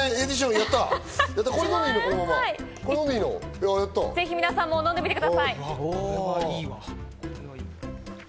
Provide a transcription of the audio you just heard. やっぜひ皆さんも飲んでみてください。